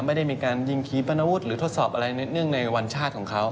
ไม่ได้มีการยิงขี่ปรณวุฒิหรือทดสอบอะไรเนื่องในวันชาติของเขา